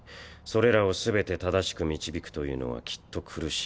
それらを全て正しく導くというのはきっと苦しい。